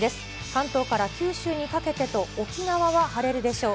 関東から九州にかけてと、沖縄は晴れるでしょう。